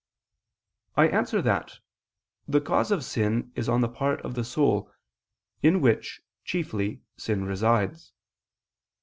I answer that, The cause of sin is on the part of the soul, in which, chiefly, sin resides.